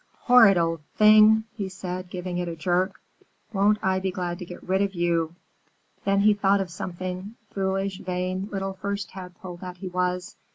"Horrid old thing!" he said, giving it a jerk. "Won't I be glad to get rid of you?" Then he thought of something foolish, vain little First Tadpole that he was.